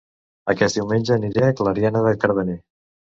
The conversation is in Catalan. Aquest diumenge aniré a Clariana de Cardener